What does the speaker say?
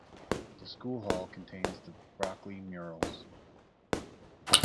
The School hall contains the 'Brockley murals'.